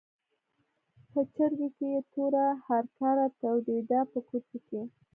په چرګۍ کې یې توره هرکاره تودېده په کوچو کې.